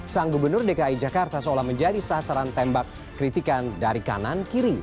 sang gubernur dki jakarta seolah menjadi sasaran tembak kritikan dari kanan kiri